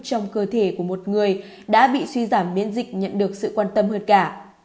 trong cơ thể của một người đã bị suy giảm miễn dịch nhận được sự quan tâm hơn cả